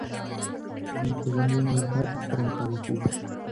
د نوي تمدن له هر څه سره مخالفې وې.